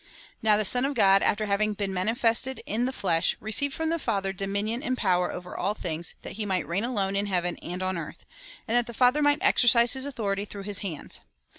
Now the Son of God, after having been manifested in the flesh, received from the Father dominion and power over all things, that he might reign alone in heaven and on earth, and that the Father might exercise his authority through his hands.